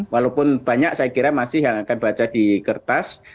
walaupun banyak saya kira masih yang akan baca di kertas